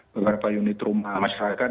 beberapa unit rumah masyarakat